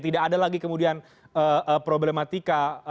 tidak ada lagi kemudian problematika